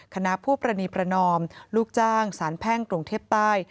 คณะผู้ปรณีประนอมลูกจ้างสารแพ่งกรุงเทพใต้